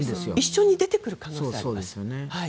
一緒に出てくる可能性があります。